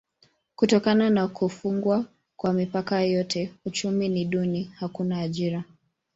Kutokana na kufungwa kwa mipaka yote uchumi ni duni: hakuna ajira.